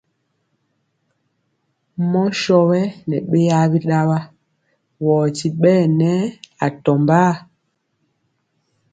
Mɔ sɔ wɛ nɛ beya biɗawa, wɔ ti ɓɛɛ nɛ atɔmbaa.